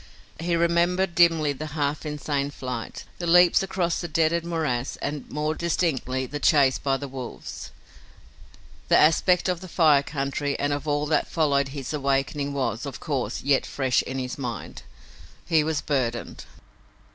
He remembered dimly the half insane flight, the leaps across the dreaded morass and, more distinctly, the chase by the wolves. The aspect of the Fire Country and of all that followed his awakening was, of course, yet fresh in his mind. He was burdened.